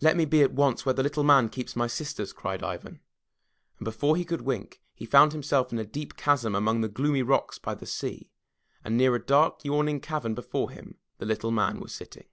"Let me be at once where the Little Man keeps my sisters," cried Ivan, and before he could wink, he found himself in a deep chasm amongst the gloomy rocks by the sea, and near a dark yawning cavern before him the Little Man was sitting.